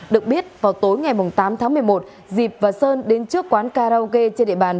được biết vào tối ngày tám tháng một mươi một dịp và sơn đến trước quán karaoke trên địa bàn